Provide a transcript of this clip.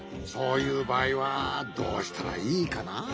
そういうばあいはどうしたらいいかな。